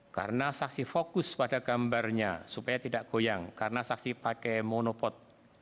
karena saksi fokus pada gambarnya supaya tidak goyang karena saksi pakai monopod